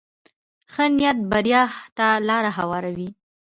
ښه نیت بریا ته لاره هواروي.